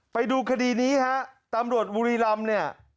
ไปดูคดีนี้ฮะตำรวจบุรีรำเนี่ย